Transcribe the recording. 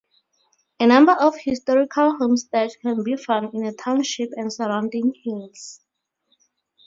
A number of historical homesteads can be found in the township and surrounding hills.